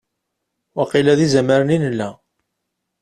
Waqila d izamaren i nella.